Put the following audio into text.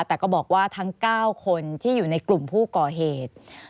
แต่ก็บอกว่าทั้ง๙คนที่อยู่ในกลุ่มผู้ก่อเหตุ